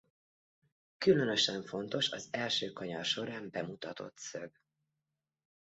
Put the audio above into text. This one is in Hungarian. Különösen fontos az első kanyar során bemutatott szög.